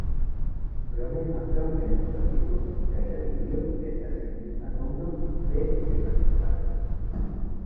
Krome ankaŭ en Sud-Afriko kaj Namibio estas signifa nombro de germanlingvanoj.